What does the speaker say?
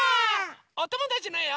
おともだちのえを。